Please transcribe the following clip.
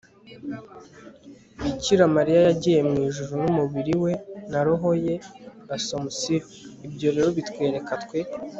bikira mariya yagiye mu ijuru n'umubiri we na roho ye (asomusiyo). ibyo rero bitwereka twe